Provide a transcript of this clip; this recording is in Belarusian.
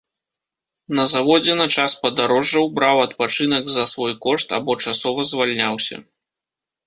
На заводзе на час падарожжаў браў адпачынак за свой кошт або часова звальняўся.